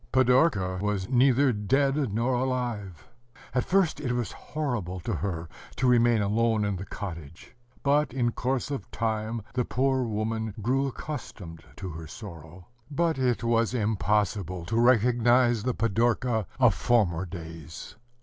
Pidorka was neither dead nor alive. At first it was horrible to her to remain alone in the cottage; but, in course of time, the poor woman grew accustomed to her sorrow. But it was impossible to recognize the Pidorka of former days.